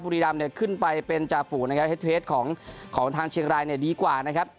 บุรีรำเนี่ยขึ้นไปเป็นจ่าฝูนะครับเฮ็ดเทสของของทางเชียงรายเนี่ยดีกว่านะครับ